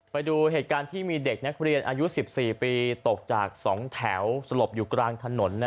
ไปดูเหตุการณ์ที่มีเด็กนักเรียนอายุ๑๔ปีตกจาก๒แถวสลบอยู่กลางถนน